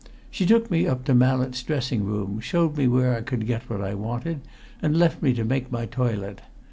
She took me up into Mallett's dressing room, showed me where I could get what I wanted, and left me to make my toilet.